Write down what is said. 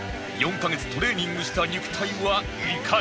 ４カ月トレーニングした肉体はいかに？